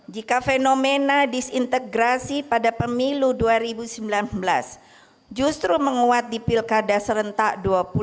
jika fenomena disintegrasi pada pemilu dua ribu sembilan belas justru menguat di pilkada serentak dua ribu delapan belas